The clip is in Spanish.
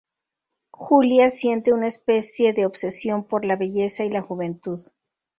Julia siente una especie de obsesión por la belleza y la juventud.